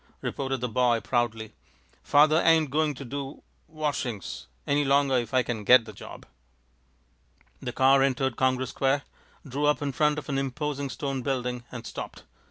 responded the boy, proudly. "Father ain't going to do washings any longer if I can get the job." The car entered Congress Square, drew up in front of an imposing stone building, and stopped.